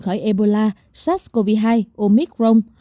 khỏi ebola sars cov hai omicron